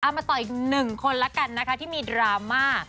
มาต่ออีกหนึ่งคนละกันนะคะที่มีดราม่า